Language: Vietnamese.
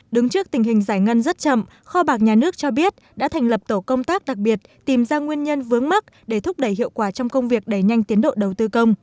đứng trước tình hình giải ngân rất chậm kho bạc nhà nước cho biết đã thành lập tổ công tác đặc biệt tìm ra nguyên nhân vướng mắt để thúc đẩy hiệu quả trong công việc đẩy nhanh tiến độ đầu tư công